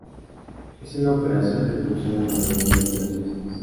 Es una operación que funciona la mayoría de las veces.